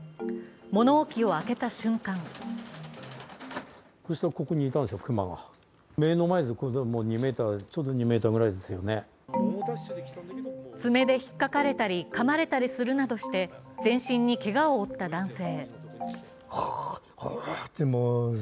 物置を開けた瞬間爪で引っかかれたりかまれたりするなどして全身にけがを負った男性。